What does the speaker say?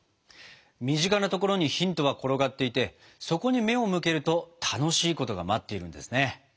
身近な所にヒントが転がっていてそこに目を向けると楽しいことが待っているんですね。